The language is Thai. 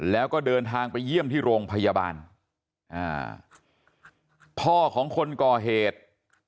แล้วก็เดินทางไปเยี่ยมที่โรงพยาบาลอ่าพ่อของคนก่อเหตุ